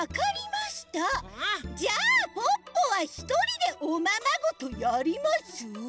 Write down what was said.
じゃあポッポはひとりでおままごとやります。